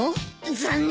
残念。